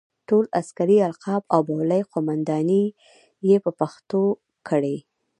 ټول عسکري القاب او بولۍ قوماندې یې په پښتو کړې.